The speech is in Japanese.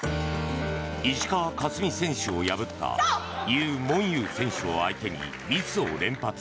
石川佳純選手を破ったユー・モンユー選手を相手にミスを連発。